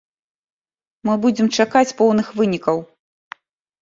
Мы будзем чакаць поўных вынікаў.